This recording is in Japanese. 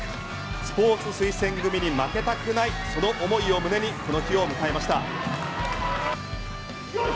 スポーツ推薦組に負けたくないその思いを胸にこの日を迎えました。